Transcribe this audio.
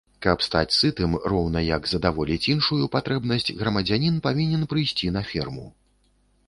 Каб стаць сытым, роўна як задаволіць іншую патрэбнасць, грамадзянін павінен прыйсці на ферму.